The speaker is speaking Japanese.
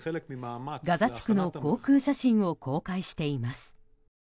ガザ地区の航空写真を公開しています。